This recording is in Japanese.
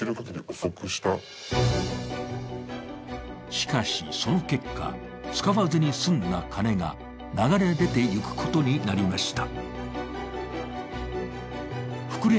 しかし、その結果、使わずに済んだ金が流れ出ていくことになりました。